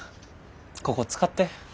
ここ使って。